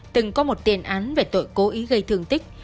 từng có một tiền án về tội cố ý gây thương tích